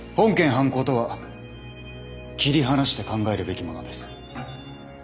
犯行とは切り離して考えるべきものです。